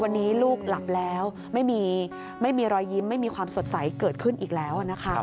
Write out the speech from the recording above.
วันนี้ลูกหลับแล้วไม่มีรอยยิ้มไม่มีความสดใสเกิดขึ้นอีกแล้วนะคะ